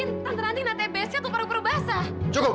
mungkin tante nanti kena tbc atau peruburu basah